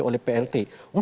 dilihiki oleh plt